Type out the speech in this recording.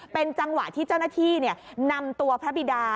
เป็นจังหวะที่เจ้าหน้าที่นำตัวพระบิดา